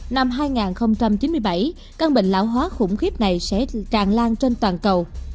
năm hai nghìn chín mươi bảy căn bệnh lão hóa khủng khiếp này sẽ tràn lan trên toàn cầu